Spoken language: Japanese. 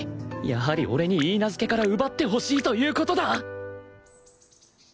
やはり俺に許嫁から奪ってほしいという事だ！